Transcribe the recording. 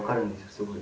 すごい。